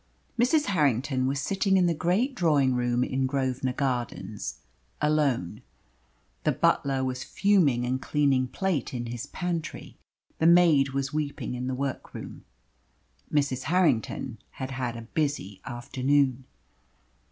Mrs. Harrington was sitting in the great drawing room in Grosvenor Gardens, alone. The butler was fuming and cleaning plate in his pantry. The maid was weeping in the workroom. Mrs. Harrington had had a busy afternoon.